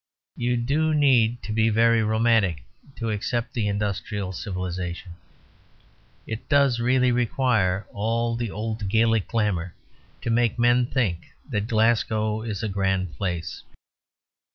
You do need to be very romantic to accept the industrial civilisation. It does really require all the old Gaelic glamour to make men think that Glasgow is a grand place.